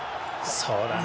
そうだね。